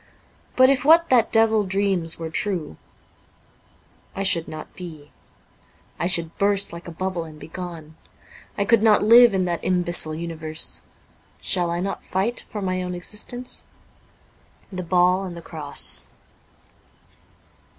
But if what that devil dreams were true, I should not be — I should burst like a bubble and be gone ; I could not live in that imbecile universe. Shall I not fight for my own existence ?'' The Ball and the Cross.''